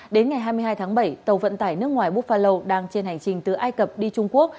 đến ngày hai mươi hai tháng bảy tàu vận tải nước ngoài bolo đang trên hành trình từ ai cập đi trung quốc